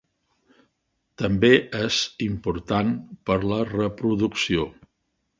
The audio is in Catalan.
També és important per la reproducció.